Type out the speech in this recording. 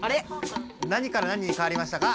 何から何にかわりましたか？